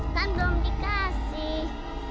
kan belum dikasih